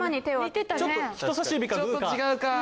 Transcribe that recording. ちょっと違うか。